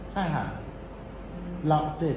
ใช่ค่ะ